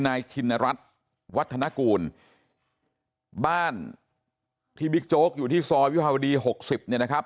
ชินรัฐวัฒนกูลบ้านที่บิ๊กโจ๊กอยู่ที่ซอยวิภาวดีหกสิบเนี่ยนะครับ